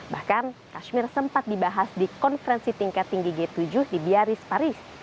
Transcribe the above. bahkan tashmir sempat dibahas di konferensi tingkat tinggi g tujuh di biaris paris